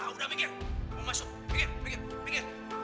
nah udah minggir mau masuk minggir minggir